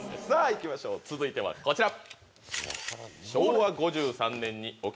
続いてはこちら。